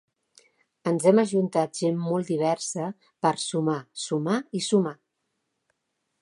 Ens hem ajuntat gent molt diversa per sumar, sumar i sumar.